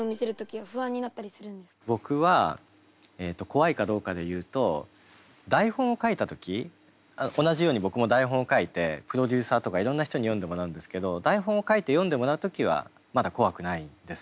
僕は怖いかどうかで言うと台本を書いた時同じように僕も台本を書いてプロデューサーとかいろんな人に読んでもらうんですけど台本を書いて読んでもらう時はまだ怖くないです。